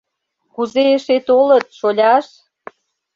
— Кузе эше толыт, шоляш!..